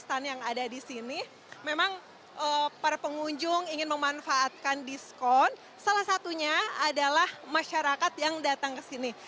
satu lima ratus an yang ada disini memang para pengunjung ingin memanfaatkan diskon salah satunya adalah masyarakat yang datang kesini